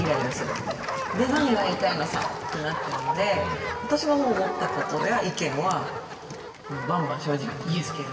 で何が言いたいのさ！」ってなっちゃうので私ももう思ったことや意見はバンバン正直にぶつける。